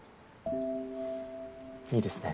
いいですね。